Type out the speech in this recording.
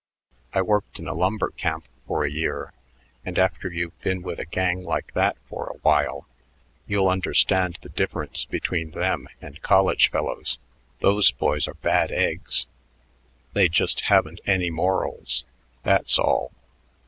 I worked in a lumber camp for a year, and after you've been with a gang like that for a while, you'll understand the difference between them and college fellows. Those boys are bad eggs. They just haven't any morals, that's all.